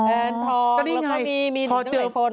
แอนทองแล้วก็มีหนุ่มหน่อยฟน